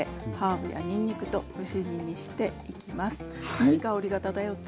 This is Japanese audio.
いい香りが漂ってね